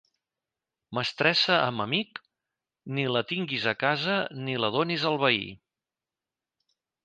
Mestressa amb amic, ni la tinguis a casa ni la donis al veí.